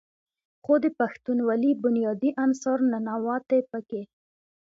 خو د پښتونولۍ بنيادي عنصر "ننواتې" پکښې